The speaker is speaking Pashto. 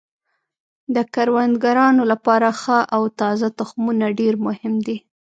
د کروندګرانو لپاره ښه او تازه تخمونه ډیر مهم دي.